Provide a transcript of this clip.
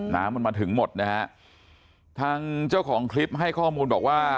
น้ำมันมาถึงหมดนะฮะทางเจ้าของคลิปให้ข้อมูลบอกว่า